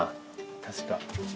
確か。